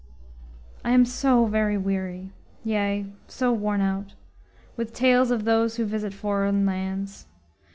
I am so very weary, yea, so worn out, With tales of those who visit foreign lands.